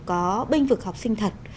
có bênh vực học sinh thật